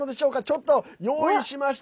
ちょっと用意しました。